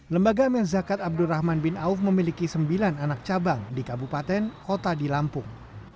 lembaga amil zakat abdurrahman bin auf memiliki sembilan anak cabang di kabupaten kota di lampung